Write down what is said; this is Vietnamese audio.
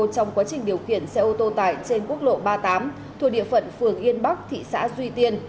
trong quá trình điều khiển xe ô tô tải trên quốc lộ ba mươi tám thuộc địa phận phường yên bắc thị xã duy tiên